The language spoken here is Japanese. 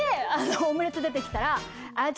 オムレツ出て来たら。